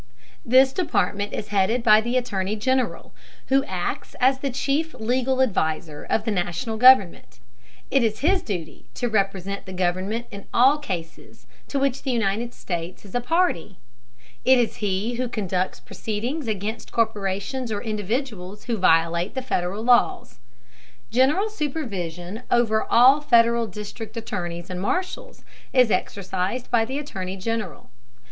This Department is headed by the Attorney General, who acts as the chief legal adviser of the National government. It is his duty to represent the government in all cases to which the United States is a party. It is he who conducts proceedings against corporations or individuals who violate the Federal laws. General supervision over all Federal district attorneys and marshals is exercised by the Attorney General.